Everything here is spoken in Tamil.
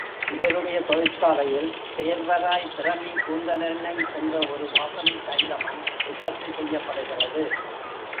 இவருடைய தொழிற்சாலையில் சேர்வராய் பிரமி கூந்தலெண்ணெய் என்ற ஒரு வாசனைத் தைலமும் உற்பத்தி செய்யப்படுகிறது.